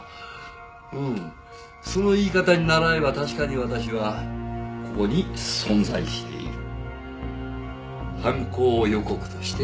うんその言い方にならえば確かに私はここに存在している犯行予告として。